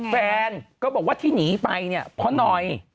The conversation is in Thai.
แฟนก็บอกว่าที่หนีไปเนี่ยเพราะหน่อย